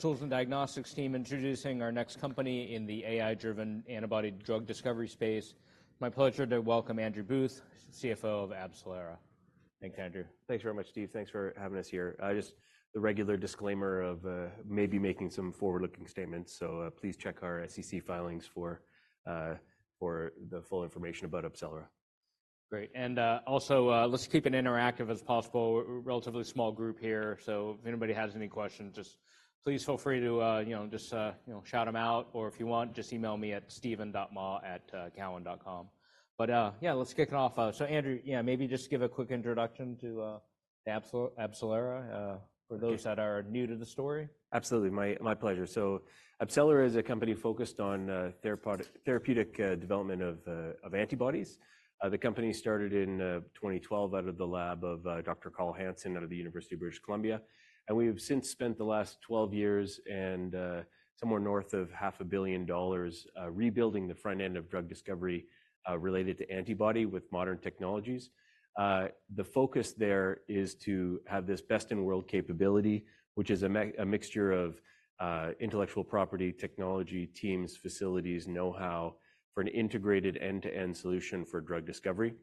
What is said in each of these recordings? Tools and Diagnostics team introducing our next company in the AI-driven antibody drug discovery space. My pleasure to welcome Andrew Booth, CFO of AbCellera. Thanks, Andrew. Thanks very much, Steve. Thanks for having us here. I just the regular disclaimer of, maybe making some forward-looking statements, so, please check our SEC filings for the full information about AbCellera. Great. And, also, let's keep it interactive as possible. We're a relatively small group here, so if anybody has any questions, just please feel free to, you know, just, you know, shout them out, or if you want, just email me at steven.mah@cowen.com. But, yeah, let's kick it off. So, Andrew, yeah, maybe just give a quick introduction to, to AbCellera, for those that are new to the story. Absolutely. My pleasure. So AbCellera is a company focused on therapeutic development of antibodies. The company started in 2012 out of the lab of Dr. Carl Hansen out of the University of British Columbia, and we have since spent the last 12 years and somewhere north of $500 million rebuilding the front end of drug discovery related to antibody with modern technologies. The focus there is to have this best-in-world capability, which is a mixture of intellectual property, technology, teams, facilities, know-how for an integrated end-to-end solution for drug discovery.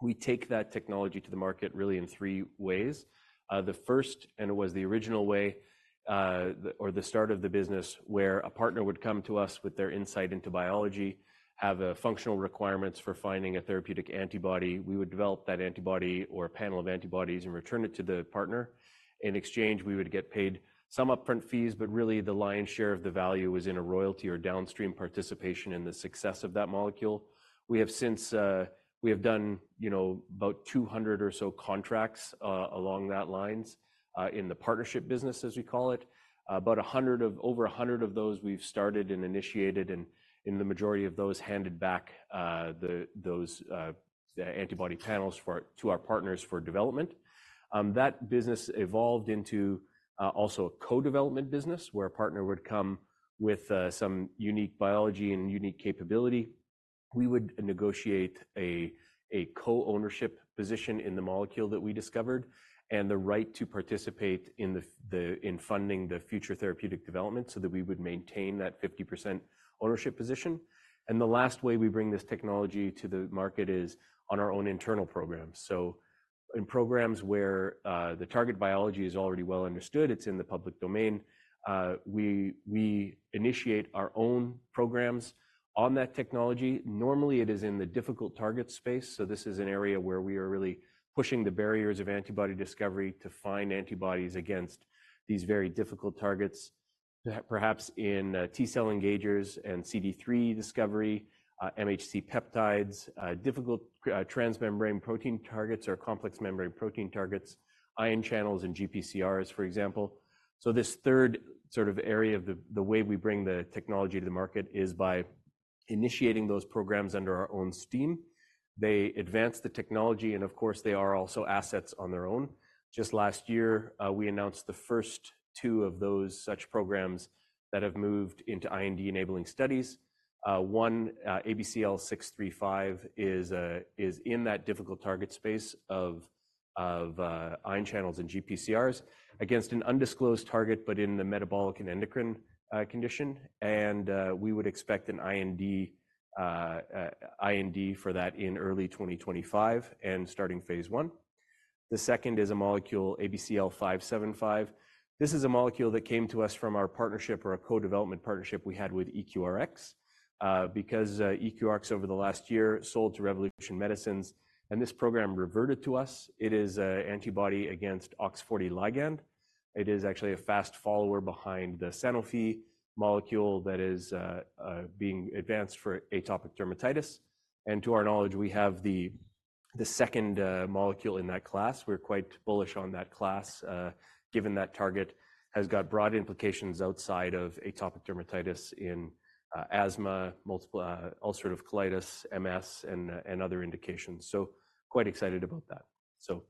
We take that technology to the market really in three ways. The first, and it was the original way, or the start of the business, where a partner would come to us with their insight into biology, have functional requirements for finding a therapeutic antibody. We would develop that antibody or a panel of antibodies and return it to the partner. In exchange, we would get paid some upfront fees, but really the lion's share of the value was in a royalty or downstream participation in the success of that molecule. We have since, we have done, you know, about 200 or so contracts, along that lines, in the partnership business, as we call it, about 100 of over 100 of those we've started and initiated, and in the majority of those handed back, those, antibody panels for to our partners for development. That business evolved into, also a co-development business where a partner would come with, some unique biology and unique capability. We would negotiate a co-ownership position in the molecule that we discovered, and the right to participate in the funding the future therapeutic development so that we would maintain that 50% ownership position. The last way we bring this technology to the market is on our own internal programs. In programs where the target biology is already well understood, it's in the public domain, we initiate our own programs on that technology. Normally it is in the difficult target space. This is an area where we are really pushing the barriers of antibody discovery to find antibodies against these very difficult targets, perhaps in T cell engagers and CD3 discovery, MHC peptides, difficult transmembrane protein targets or complex membrane protein targets, ion channels and GPCRs, for example. So this third sort of area of the way we bring the technology to the market is by initiating those programs under our own steam. They advance the technology, and of course they are also assets on their own. Just last year, we announced the first two of those such programs that have moved into IND enabling studies. One, ABCL635, is in that difficult target space of ion channels and GPCRs against an undisclosed target, but in the metabolic and endocrine condition. We would expect an IND for that in early 2025 and starting phase one. The second is a molecule, ABCL575. This is a molecule that came to us from our partnership or a co-development partnership we had with EQRx, because EQRx over the last year sold to Revolution Medicines, and this program reverted to us. It is an antibody against OX40 ligand. It is actually a fast follower behind the Sanofi molecule that is being advanced for atopic dermatitis. And to our knowledge, we have the second molecule in that class. We're quite bullish on that class, given that target has got broad implications outside of atopic dermatitis in asthma, multiple ulcerative colitis, MS, and other indications. So quite excited about that. So.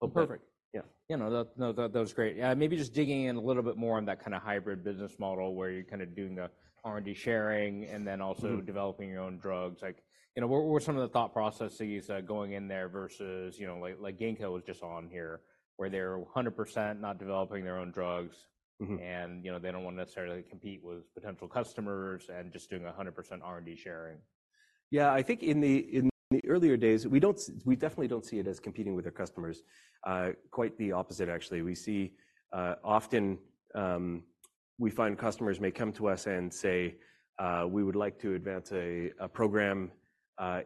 Oh, perfect. Yeah. You know, that was great. Yeah. Maybe just digging in a little bit more on that kind of hybrid business model where you're kind of doing the R&D sharing and then also developing your own drugs. Like, you know, what were some of the thought processes going in there versus, you know, like Ginkgo was just on here where they're 100% not developing their own drugs, and, you know, they don't want to necessarily compete with potential customers and just doing 100% R&D sharing. Yeah, I think in the earlier days, we definitely don't see it as competing with our customers. Quite the opposite, actually. We see, often, we find customers may come to us and say, we would like to advance a program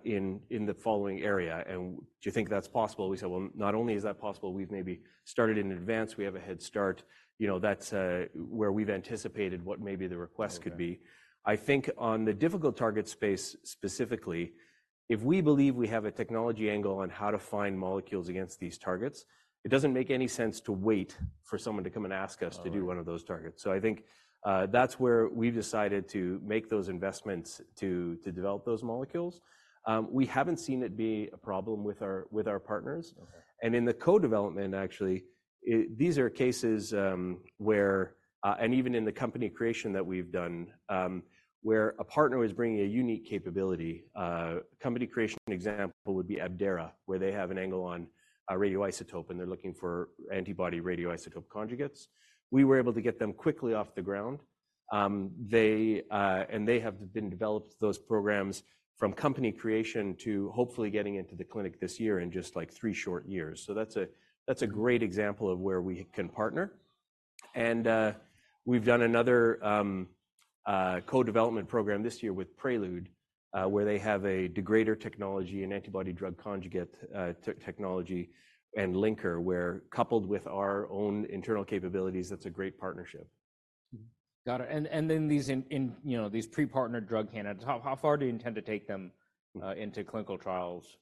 in the following area. And do you think that's possible? We say, well, not only is that possible, we've maybe started in advance. We have a head start. You know, that's where we've anticipated what maybe the request could be. I think on the difficult target space specifically, if we believe we have a technology angle on how to find molecules against these targets, it doesn't make any sense to wait for someone to come and ask us to do one of those targets. So I think that's where we've decided to make those investments to develop those molecules. We haven't seen it be a problem with our partners. And in the co-development, actually, these are cases where, and even in the company creation that we've done, where a partner is bringing a unique capability. Company creation example would be Abdera, where they have an angle on radioisotope, and they're looking for antibody radioisotope conjugates. We were able to get them quickly off the ground. They have developed those programs from company creation to hopefully getting into the clinic this year in just like three short years. So that's a great example of where we can partner. And we've done another co-development program this year with Prelude, where they have a degrader technology and antibody drug conjugate technology and linker where coupled with our own internal capabilities. That's a great partnership. Got it. And then these, you know, these pre-partner drug candidates, how far do you intend to take them into clinical trials?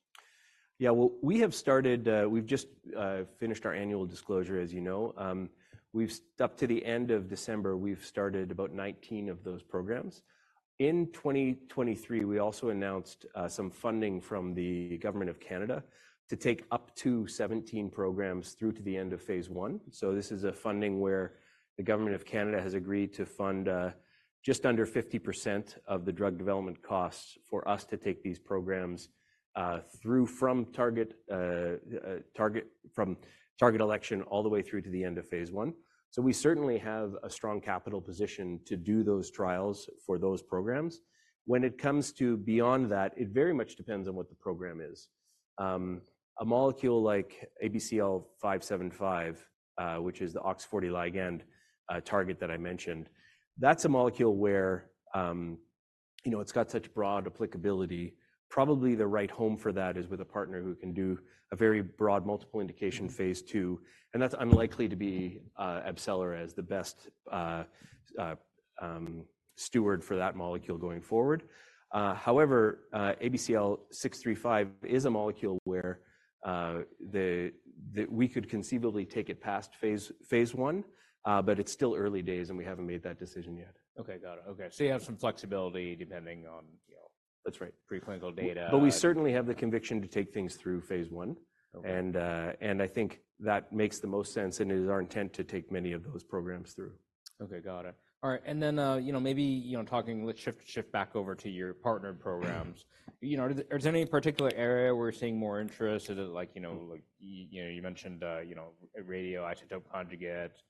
Yeah, well, we have started, we've just finished our annual disclosure, as you know. We've up to the end of December, we've started about 19 of those programs. In 2023, we also announced some funding from the Government of Canada to take up to 17 programs through to the end of phase one. So this is a funding where the Government of Canada has agreed to fund just under 50% of the drug development costs for us to take these programs through from target, target from target election all the way through to the end of phase one. So we certainly have a strong capital position to do those trials for those programs. When it comes to beyond that, it very much depends on what the program is. A molecule like ABCL575, which is the OX40 ligand target that I mentioned, that's a molecule where, you know, it's got such broad applicability. Probably the right home for that is with a partner who can do a very broad multiple indication phase 2. And that's unlikely to be AbCellera as the best steward for that molecule going forward. However, ABCL635 is a molecule where we could conceivably take it past phase 1, but it's still early days and we haven't made that decision yet. Okay, got it. Okay. So you have some flexibility depending on, you know, that's right, preclinical data. But we certainly have the conviction to take things through phase 1. And I think that makes the most sense, and it is our intent to take many of those programs through. Okay, got it. All right. And then, you know, maybe, you know, talking, let's shift back over to your partnered programs. You know, are there any particular area we're seeing more interest? Is it like, you know, like, you know, you mentioned, you know, radioisotope conjugates?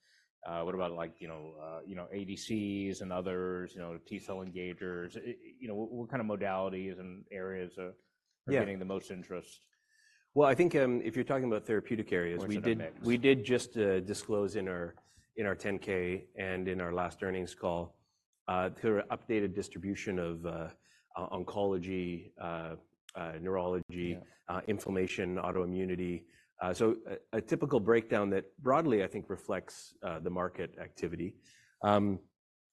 What about like, you know, you know, ADCs and others, you know, T-cell engagers? You know, what kind of modalities and areas are getting the most interest? Well, I think if you're talking about therapeutic areas, we did, we did just disclose in our, in our 10-K and in our last earnings call through an updated distribution of oncology, neurology, inflammation, autoimmunity. So a typical breakdown that broadly, I think, reflects the market activity.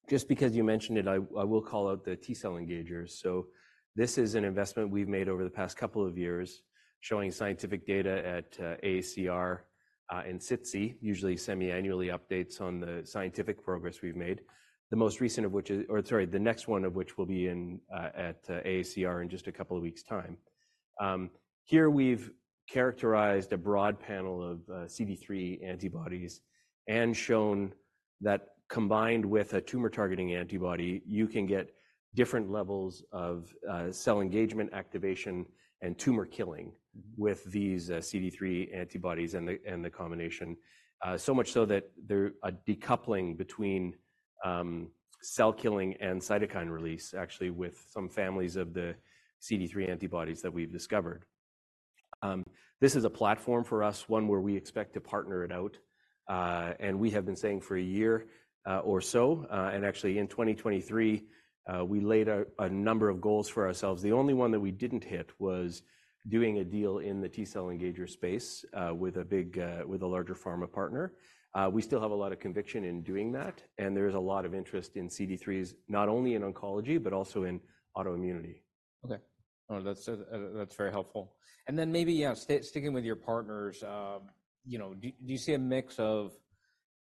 Just because you mentioned it, I, I will call out the T cell engagers. So this is an investment we've made over the past couple of years, showing scientific data at AACR in SITC, usually semi-annually updates on the scientific progress we've made, the most recent of which is, or sorry, the next one of which will be at AACR in just a couple of weeks' time. Here we've characterized a broad panel of CD3 antibodies and shown that combined with a tumor targeting antibody, you can get different levels of cell engagement activation and tumor killing with these CD3 antibodies and the combination, so much so that there's a decoupling between cell killing and cytokine release, actually, with some families of the CD3 antibodies that we've discovered. This is a platform for us, one where we expect to partner it out. And we have been saying for a year, or so, and actually in 2023, we laid a number of goals for ourselves. The only one that we didn't hit was doing a deal in the T cell engager space, with a larger pharma partner. We still have a lot of conviction in doing that, and there is a lot of interest in CD3s, not only in oncology, but also in autoimmunity. Okay. All right. That's, that's very helpful. And then maybe, yeah, sticking with your partners, you know, do you see a mix of,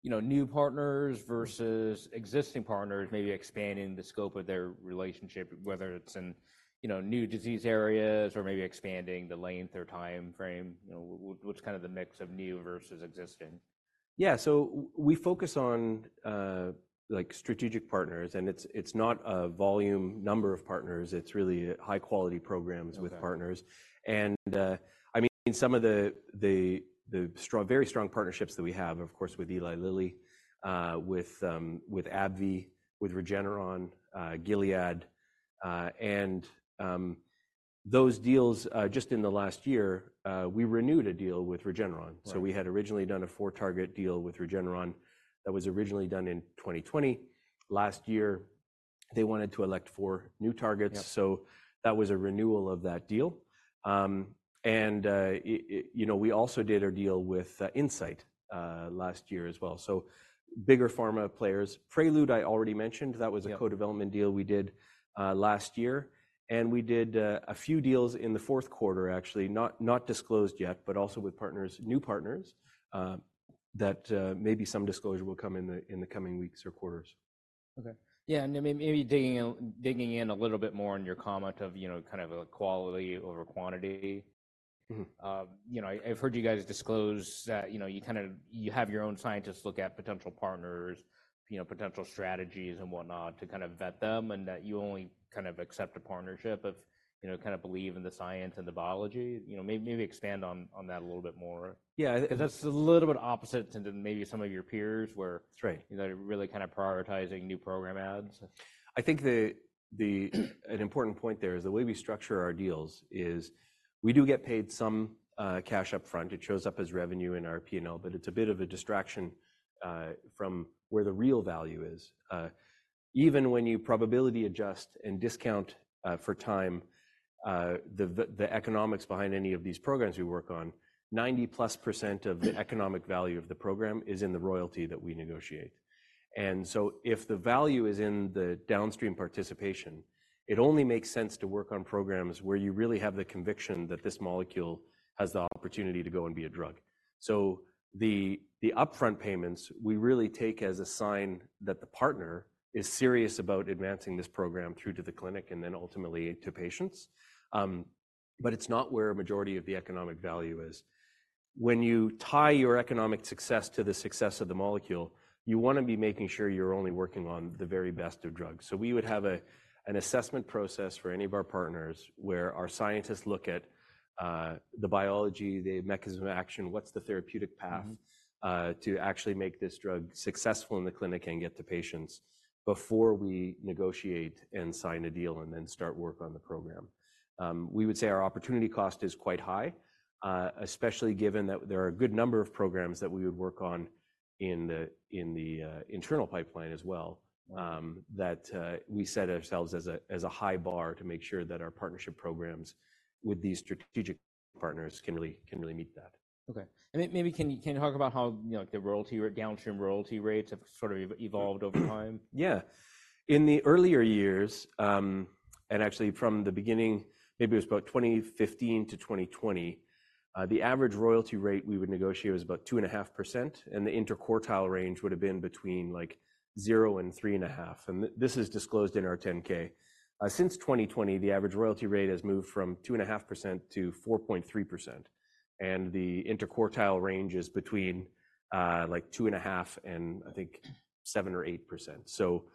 you know, new partners versus existing partners, maybe expanding the scope of their relationship, whether it's in, you know, new disease areas or maybe expanding the length or timeframe, you know, what's kind of the mix of new versus existing? Yeah, so we focus on, like strategic partners, and it's, it's not a volume number of partners. It's really high quality programs with partners. And, I mean, some of the, the, the very strong partnerships that we have, of course, with Eli Lilly, with, with AbbVie, with Regeneron, Gilead, and, those deals, just in the last year, we renewed a deal with Regeneron. So we had originally done a four-target deal with Regeneron that was originally done in 2020. Last year, they wanted to elect four new targets. So that was a renewal of that deal. And, you know, we also did a deal with Incyte, last year as well. So bigger pharma players, Prelude, I already mentioned, that was a co-development deal we did, last year. We did a few deals in the fourth quarter, actually not disclosed yet, but also with partners, new partners, that maybe some disclosure will come in the coming weeks or quarters. Okay. Yeah. And maybe digging in, digging in a little bit more on your comment of, you know, kind of a quality over quantity. You know, I've heard you guys disclose that, you know, you kind of, you have your own scientists look at potential partners, you know, potential strategies and whatnot to kind of vet them, and that you only kind of accept a partnership if, you know, kind of believe in the science and the biology, you know, maybe expand on, on that a little bit more. Yeah, that's a little bit opposite to maybe some of your peers where, you know, they're really kind of prioritizing new program adds. I think an important point there is the way we structure our deals is we do get paid some cash upfront. It shows up as revenue in our P&L, but it's a bit of a distraction from where the real value is. Even when you probability adjust and discount for time, the economics behind any of these programs we work on, 90+% of the economic value of the program is in the royalty that we negotiate. And so if the value is in the downstream participation, it only makes sense to work on programs where you really have the conviction that this molecule has the opportunity to go and be a drug. So the upfront payments, we really take as a sign that the partner is serious about advancing this program through to the clinic and then ultimately to patients. But it's not where a majority of the economic value is. When you tie your economic success to the success of the molecule, you want to be making sure you're only working on the very best of drugs. So we would have an assessment process for any of our partners where our scientists look at the biology, the mechanism of action, what's the therapeutic path to actually make this drug successful in the clinic and get to patients before we negotiate and sign a deal and then start work on the program. We would say our opportunity cost is quite high, especially given that there are a good number of programs that we would work on in the internal pipeline as well. We set ourselves a high bar to make sure that our partnership programs with these strategic partners can really meet that. Okay. And maybe can you talk about how, you know, like the royalty or downstream royalty rates have sort of evolved over time? Yeah. In the earlier years, and actually from the beginning, maybe it was about 2015 to 2020, the average royalty rate we would negotiate was about 2.5%, and the interquartile range would have been between like 0% and 3.5%. And this is disclosed in our 10-K. Since 2020, the average royalty rate has moved from 2.5%-4.3%. And the interquartile range is between, like 2.5% and I think 7% or 8%. So,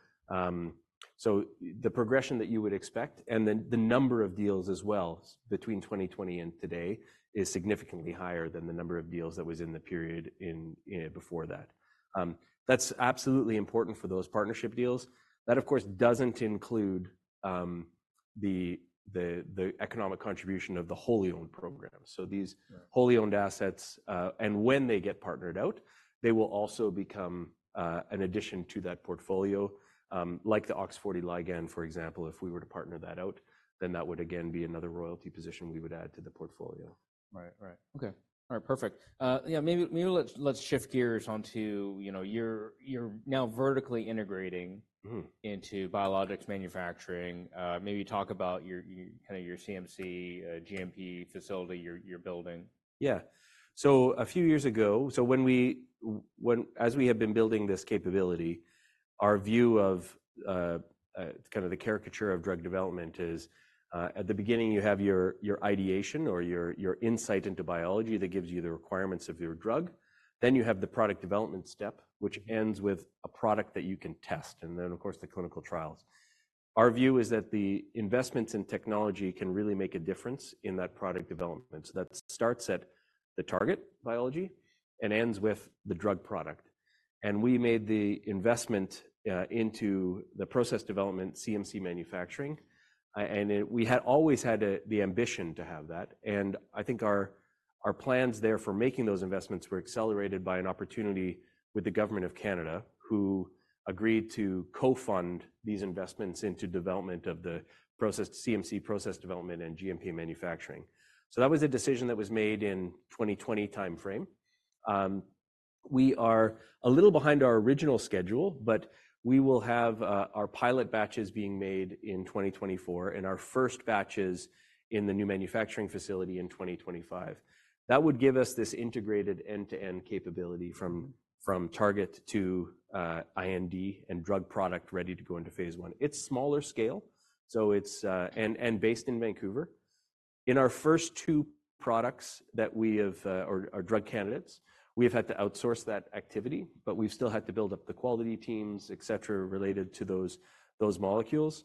so the progression that you would expect, and then the number of deals as well between 2020 and today is significantly higher than the number of deals that was in the period in before that. That's absolutely important for those partnership deals. That, of course, doesn't include the economic contribution of the wholly owned programs. So these wholly owned assets, and when they get partnered out, they will also become an addition to that portfolio. Like the OX40 ligand, for example, if we were to partner that out, then that would again be another royalty position we would add to the portfolio. Right, right. Okay. All right. Perfect. Yeah, maybe let's shift gears onto, you know, you're now vertically integrating into biologics manufacturing. Maybe talk about your kind of CMC, GMP facility, your building. Yeah. So a few years ago, so when we, as we have been building this capability, our view of, kind of the caricature of drug development is, at the beginning, you have your, your ideation or your insight into biology that gives you the requirements of your drug. Then you have the product development step, which ends with a product that you can test. And then, of course, the clinical trials. Our view is that the investments in technology can really make a difference in that product development that starts at the target biology and ends with the drug product. And we made the investment into the process development, CMC manufacturing, and we had always had the ambition to have that. I think our, our plans there for making those investments were accelerated by an opportunity with the Government of Canada, who agreed to co-fund these investments into development of the process CMC process development and GMP manufacturing. That was a decision that was made in the 2020 timeframe. We are a little behind our original schedule, but we will have, our pilot batches being made in 2024 and our first batches in the new manufacturing facility in 2025. That would give us this integrated end-to-end capability from, from target to IND and drug product ready to go into phase one. It's smaller scale. It's, and, and based in Vancouver. In our first two products that we have, or our drug candidates, we have had to outsource that activity, but we've still had to build up the quality teams, etc., related to those molecules,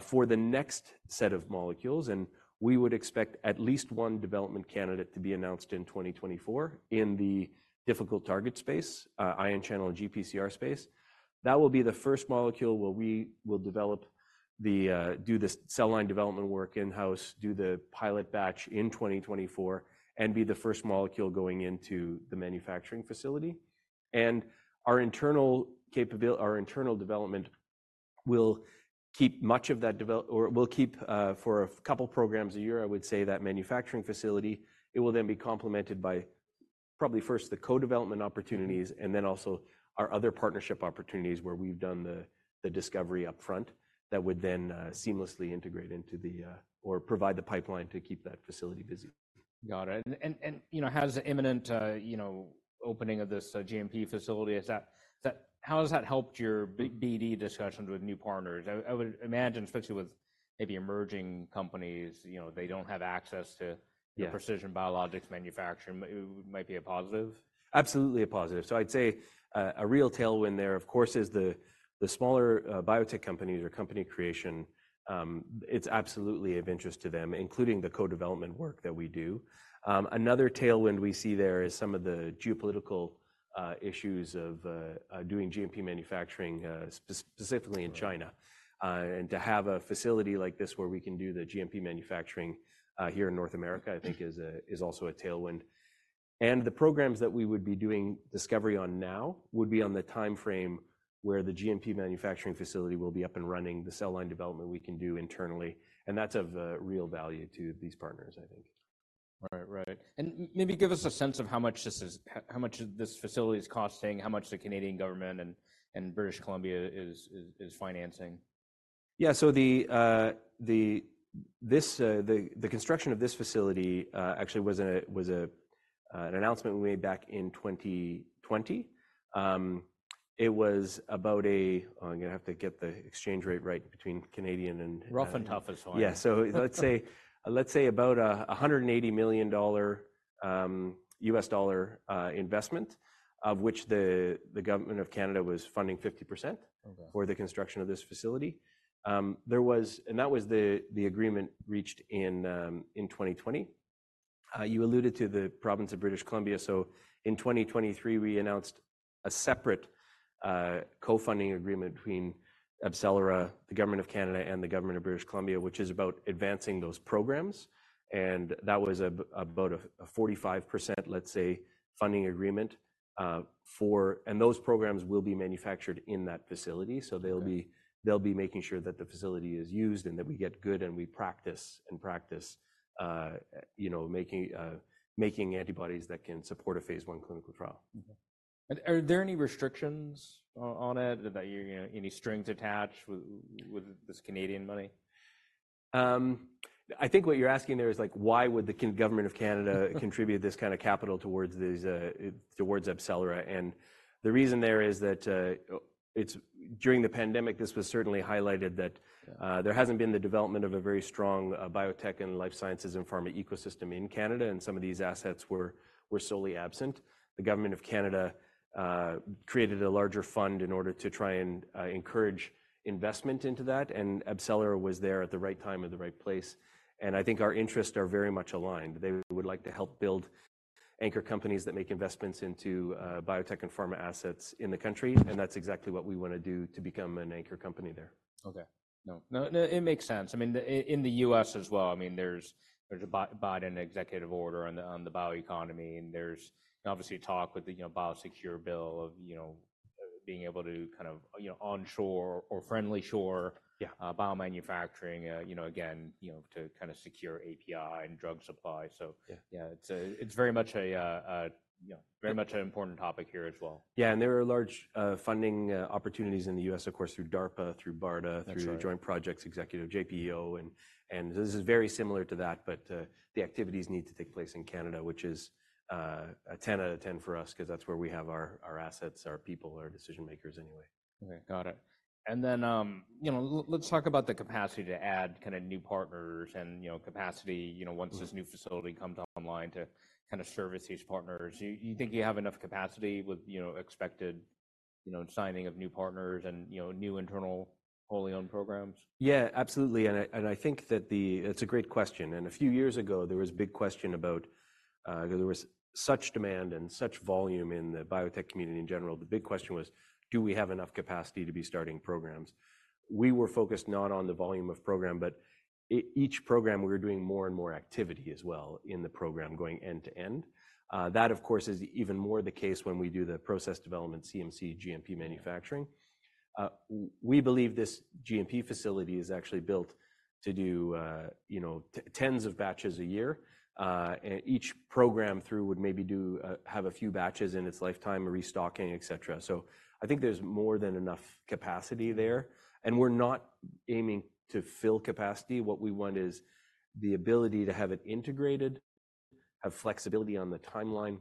for the next set of molecules. We would expect at least one development candidate to be announced in 2024 in the difficult target space, ion channel GPCR space. That will be the first molecule where we will develop the, do this cell line development work in-house, do the pilot batch in 2024, and be the first molecule going into the manufacturing facility. Our internal capability, our internal development will keep much of that development or will keep, for a couple programs a year, I would say that manufacturing facility. It will then be complemented by probably first the co-development opportunities and then also our other partnership opportunities where we've done the discovery upfront that would then seamlessly integrate into the, or provide the pipeline to keep that facility busy. Got it. And, you know, has the imminent, you know, opening of this GMP facility, is that how has that helped your BD discussions with new partners? I would imagine, especially with maybe emerging companies, you know, they don't have access to the precision biologics manufacturing might be a positive. Absolutely a positive. So I'd say a real tailwind there, of course, is the smaller biotech companies or company creation. It's absolutely of interest to them, including the co-development work that we do. Another tailwind we see there is some of the geopolitical issues of doing GMP manufacturing, specifically in China. And to have a facility like this where we can do the GMP manufacturing here in North America, I think is also a tailwind. The programs that we would be doing discovery on now would be on the timeframe where the GMP manufacturing facility will be up and running. The cell line development we can do internally. And that's of a real value to these partners, I think. All right. Right. And maybe give us a sense of how much this is, how much this facility is costing, how much the Canadian government and British Columbia is financing. Yeah. So the construction of this facility actually was an announcement we made back in 2020. It was about a. I'm going to have to get the exchange rate right between Canadian and. Rough and tough as horn. Yeah. So let's say about a $180 million investment, of which the Government of Canada was funding 50% for the construction of this facility. And that was the agreement reached in 2020. You alluded to the province of British Columbia. So in 2023, we announced a separate co-funding agreement between AbCellera, the Government of Canada, and the Government of British Columbia, which is about advancing those programs. And that was about a 45%, let's say, funding agreement, and those programs will be manufactured in that facility. So they'll be making sure that the facility is used and that we get good and we practice and practice, you know, making antibodies that can support a phase one clinical trial. Are there any restrictions on it that you're, you know, any strings attached with this Canadian money? I think what you're asking there is like, why would the Government of Canada contribute this kind of capital towards these, towards AbCellera? The reason there is that, it's during the pandemic, this was certainly highlighted that, there hasn't been the development of a very strong biotech and life sciences and pharma ecosystem in Canada, and some of these assets were, were solely absent. The Government of Canada created a larger fund in order to try and encourage investment into that. AbCellera was there at the right time at the right place. I think our interests are very much aligned. They would like to help build anchor companies that make investments into, biotech and pharma assets in the country. That's exactly what we want to do to become an anchor company there. Okay. No, no, it makes sense. I mean, in the U.S. as well, I mean, there's a Biden executive order on the bioeconomy, and there's obviously talk with the, you know, BioSecure bill of, you know, being able to kind of, you know, onshore or friendly shore biomanufacturing, you know, again, you know, to kind of secure API and drug supply. So, yeah, it's very much a, you know, very much an important topic here as well. Yeah. And there are large funding opportunities in the U.S., of course, through DARPA, through BARDA, through joint projects, executive JPEO, and this is very similar to that. But the activities need to take place in Canada, which is a 10 out of 10 for us, because that's where we have our assets, our people, our decision makers anyway. Okay. Got it. And then, you know, let's talk about the capacity to add kind of new partners and, you know, capacity, you know, once this new facility comes online to kind of service these partners, you think you have enough capacity with, you know, expected, you know, signing of new partners and, you know, new internal wholly owned programs? Yeah, absolutely. And I think that the, it's a great question. And a few years ago, there was a big question about, there was such demand and such volume in the biotech community in general. The big question was, do we have enough capacity to be starting programs? We were focused not on the volume of program, but each program we were doing more and more activity as well in the program going end to end. That, of course, is even more the case when we do the process development CMC GMP manufacturing. We believe this GMP facility is actually built to do, you know, tens of batches a year. And each program through would maybe do, have a few batches in its lifetime, restocking, etc. So I think there's more than enough capacity there. And we're not aiming to fill capacity. What we want is the ability to have it integrated, have flexibility on the timeline.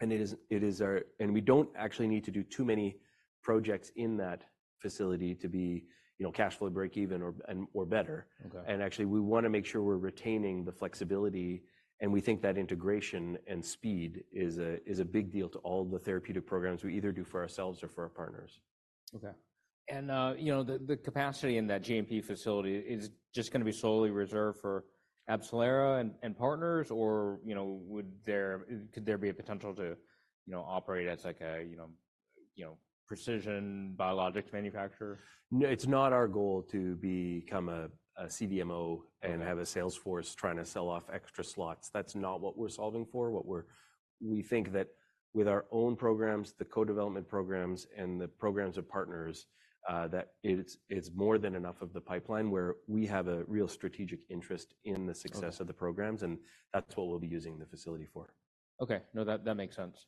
And it is our, and we don't actually need to do too many projects in that facility to be, you know, cash flow break even or better. And actually, we want to make sure we're retaining the flexibility. And we think that integration and speed is a big deal to all the therapeutic programs we either do for ourselves or for our partners. Okay. And, you know, the capacity in that GMP facility is just going to be solely reserved for AbCellera and partners, or, you know, would there, could there be a potential to, you know, operate as like a, you know, precision biologics manufacturer? No, it's not our goal to become a CDMO and have a sales force trying to sell off extra slots. That's not what we're solving for. What we're, we think that with our own programs, the co-development programs and the programs of partners, that it's, it's more than enough of the pipeline where we have a real strategic interest in the success of the programs. And that's what we'll be using the facility for. Okay. No, that, that makes sense.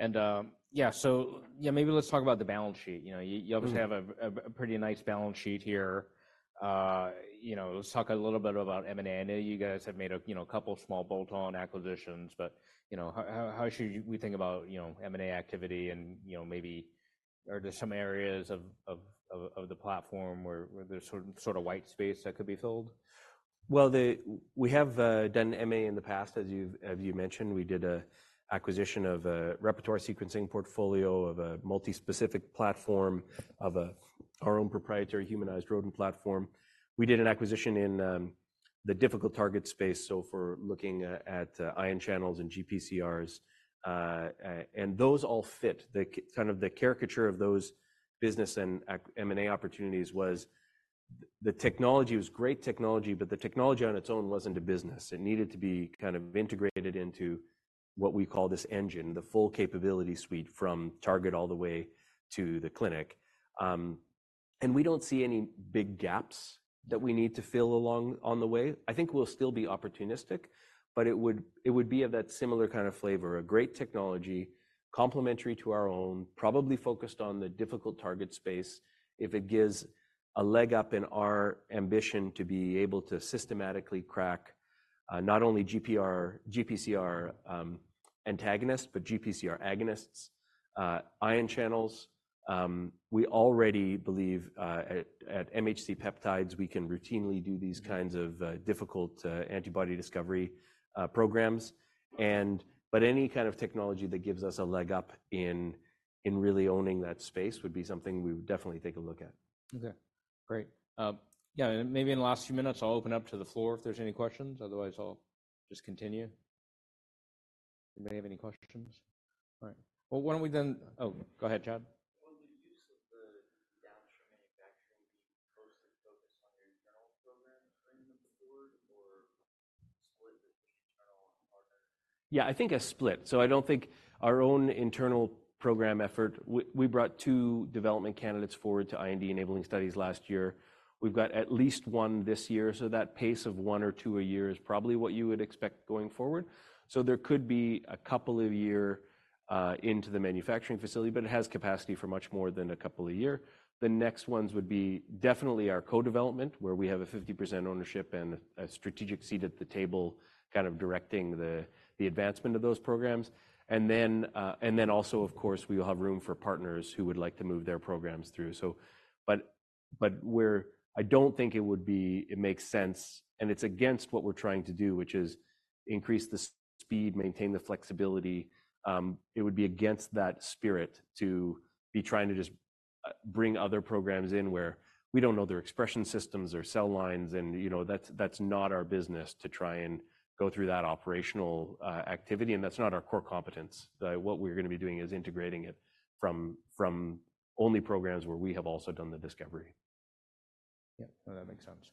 And, yeah, so, yeah, maybe let's talk about the balance sheet. You know, you obviously have a pretty nice balance sheet here. You know, let's talk a little bit about M&A. You guys have made a, you know, a couple small bolt-on acquisitions. But, you know, how should we think about, you know, M&A activity and, you know, maybe, are there some areas of, of, of the platform where there's sort of white space that could be filled? Well, we have done M&A in the past, as you've mentioned, we did an acquisition of a repertoire sequencing portfolio of a multi-specific platform of our own proprietary humanized rodent platform. We did an acquisition in the difficult target space. So, for looking at ion channels and GPCRs, and those all fit the kind of the caricature of those business and M&A opportunities. The technology was great technology, but the technology on its own wasn't a business. It needed to be kind of integrated into what we call this engine, the full capability suite from target all the way to the clinic. We don't see any big gaps that we need to fill along the way. I think we'll still be opportunistic, but it would, it would be of that similar kind of flavor, a great technology, complementary to our own, probably focused on the difficult target space. If it gives a leg up in our ambition to be able to systematically crack not only GPCR antagonists, but GPCR agonists, ion channels. We already believe at MHC peptides we can routinely do these kinds of difficult antibody discovery programs. But any kind of technology that gives us a leg up in really owning that space would be something we would definitely take a look at. Okay. Great. Yeah, and maybe in the last few minutes, I'll open up to the floor if there's any questions. Otherwise, I'll just continue. Anybody have any questions? All right. Well, why don't we then, oh, go ahead, Chad. Will the use of the downstream manufacturing be mostly focused on your internal programs bringing them forward or split with the internal partner? Yeah, I think a split. So I don't think our own internal program effort, we brought two development candidates forward to IND-enabling studies last year. We've got at least one this year. So that pace of one or two a year is probably what you would expect going forward. So there could be a couple of year into the manufacturing facility, but it has capacity for much more than a couple of year. The next ones would be definitely our co-development where we have a 50% ownership and a strategic seat at the table kind of directing the advancement of those programs. And then also, of course, we will have room for partners who would like to move their programs through. So, but we're. I don't think it would be. It makes sense, and it's against what we're trying to do, which is increase the speed, maintain the flexibility. It would be against that spirit to be trying to just bring other programs in where we don't know their expression systems or cell lines. And, you know, that's not our business to try and go through that operational activity. And that's not our core competence. What we're going to be doing is integrating it from only programs where we have also done the discovery. Yeah. No, that makes sense.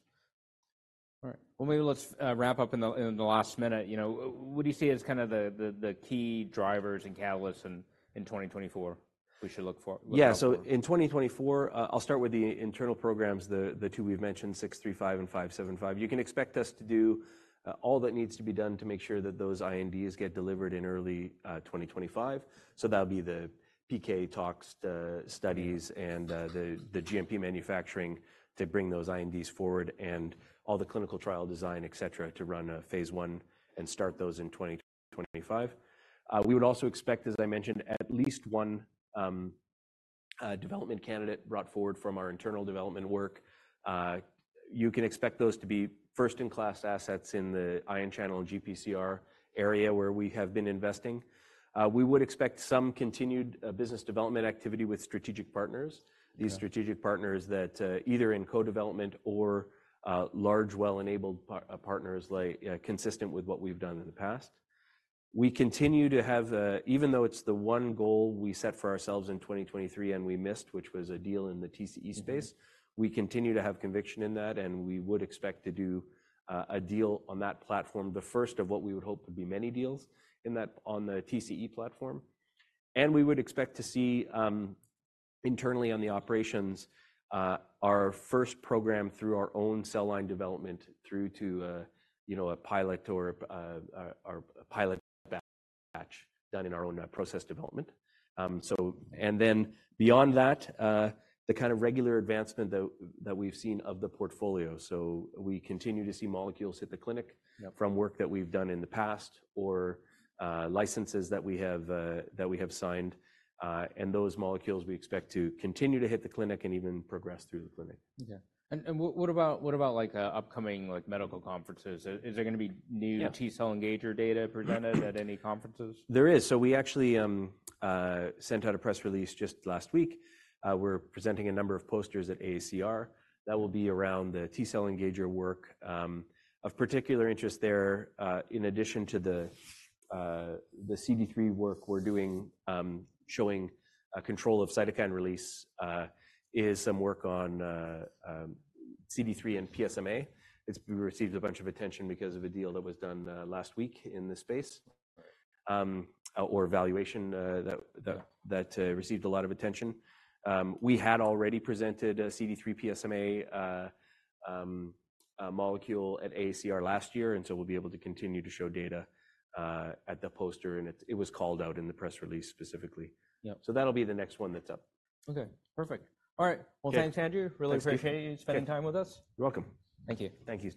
All right. Well, maybe let's wrap up in the last minute. You know, what do you see as kind of the key drivers and catalysts in 2024 we should look for? Yeah. So in 2024, I'll start with the internal programs, the two we've mentioned, 635 and 575. You can expect us to do all that needs to be done to make sure that those INDs get delivered in early 2025. So that'll be the PK tox, the studies, and the GMP manufacturing to bring those INDs forward and all the clinical trial design, etc., to run a phase 1 and start those in 2025. We would also expect, as I mentioned, at least one development candidate brought forward from our internal development work. You can expect those to be first-in-class assets in the ion channel and GPCR area where we have been investing. We would expect some continued business development activity with strategic partners, these strategic partners that, either in co-development or, large well-enabled partners like, consistent with what we've done in the past. We continue to have, even though it's the one goal we set for ourselves in 2023 and we missed, which was a deal in the TCE space, we continue to have conviction in that. And we would expect to do a deal on that platform, the first of what we would hope would be many deals in that, on the TCE platform. And we would expect to see, internally on the operations, our first program through our own cell line development through to, you know, a pilot or our pilot batch done in our own process development. So, and then beyond that, the kind of regular advancement that we've seen of the portfolio. So we continue to see molecules hit the clinic from work that we've done in the past or licenses that we have, that we have signed. Those molecules we expect to continue to hit the clinic and even progress through the clinic. Okay. And what about, what about like, upcoming, like, medical conferences? Is there going to be new T cell engager data presented at any conferences? There is. So we actually sent out a press release just last week. We're presenting a number of posters at AACR that will be around the T cell engager work, of particular interest there. In addition to the CD3 work we're doing, showing a control of cytokine release, is some work on CD3 and PSMA. It's received a bunch of attention because of a deal that was done last week in the space that received a lot of attention. We had already presented a CD3 PSMA molecule at AACR last year. And so we'll be able to continue to show data at the poster. And it was called out in the press release specifically. Yeah. So that'll be the next one that's up. Okay. Perfect. All right. Well, thanks, Andrew. Really appreciate you spending time with us. You're welcome. Thank you. Thank you.